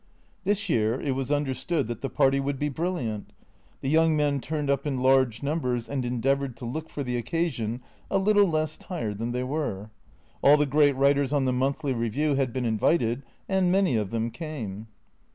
This year it was understood that the party would be brilliant. The young men turned up in large numbers and endeavoured to look for the occasion a little less tired than they were. All the great writers on the " Monthly Review " had been invited and many of them came.